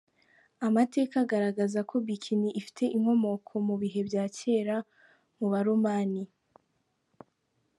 Amateka agaragaza ko “Bikini” ifite inkomoko mu bihe bya cyera mu Baromani.